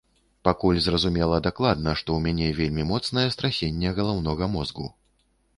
Пакуль зразумела дакладна, што ў мяне вельмі моцнае страсенне галаўнога мозгу.